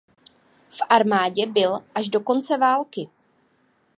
V armádě byl až do konce války.